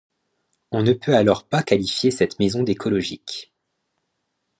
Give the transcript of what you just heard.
On ne peut alors pas qualifier cette maison d'écologique.